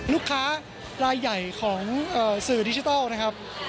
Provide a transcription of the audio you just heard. ลูกค้ารายใหญ่ของสื่อดิจิทัลนะครับ